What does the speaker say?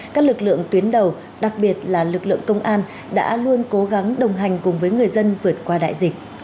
các lực lượng tuyến đầu đặc biệt là lực lượng công an đã luôn cố gắng đồng hành cùng với người dân vượt qua đại dịch